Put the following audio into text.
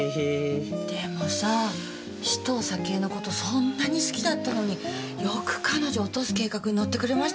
でもさ紫藤咲江の事そんなに好きだったのによく彼女落とす計画に乗ってくれましたよね。